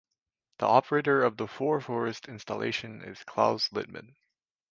The operator of the "For Forest" installation is Klaus Littmann.